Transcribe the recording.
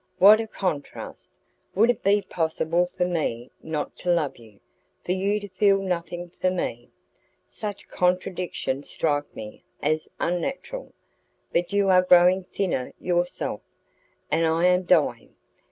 "What a contrast! Would it be possible for me not to love you, for you to feel nothing for me? Such contradictions strike me as unnatural. But you are growing thinner yourself, and I am dying.